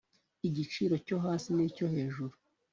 igiciro cyo hasi n icyo hejuru